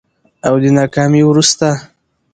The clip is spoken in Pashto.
او د ناکامي وروسته